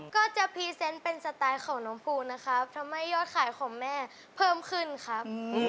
ก็จะพรีเซนต์เป็นสไตล์ของน้องภูนะครับทำให้ยอดขายของแม่เพิ่มขึ้นครับ